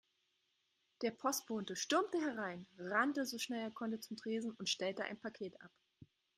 Der Postbote stürmte herein, rannte so schnell er konnte zum Tresen und stellte ein Paket ab.